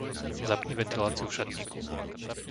Zapni ventiláciu v šatníku.